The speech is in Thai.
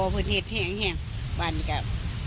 พอเหตุแห้งบ้านอีกครับ